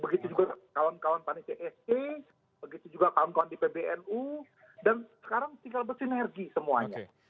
begitu juga kawan kawan panitia se begitu juga kawan kawan di pbnu dan sekarang tinggal bersinergi semuanya